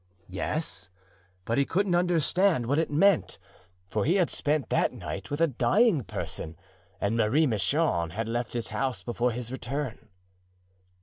"Yes, but he couldn't understand what it meant, for he had spent that night with a dying person and Marie Michon had left his house before his return."